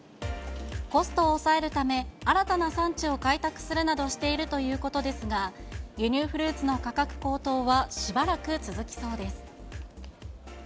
コストを抑えるため、新たな産地を開拓するなどしているということですが、輸入フルーツの価格高騰は、しばらく続きそうです。